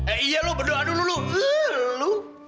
eh iya lu berdoa dulu lu